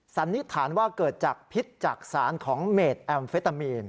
สันนิษฐานว่าเกิดจากพิษจากสารของเมดแอมเฟตามีน